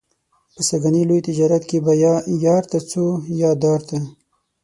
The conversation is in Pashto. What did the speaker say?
په سږني لوی تجارت کې به یا یار ته څو یا دار ته.